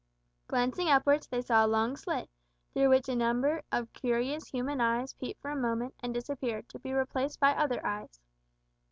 Glancing upwards, they saw a long slit, through which a number of curious human eyes peeped for a moment, and disappeared, to be replaced by other eyes.